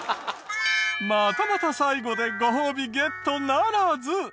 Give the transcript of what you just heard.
またまた最後でご褒美ゲットならず。